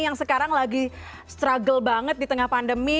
yang sekarang lagi struggle banget di tengah pandemi